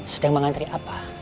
sudah mengantri apa